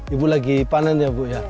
ibu lagi panen ya bu ya